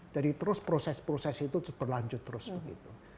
terus proses proses itu berlanjut terus begitu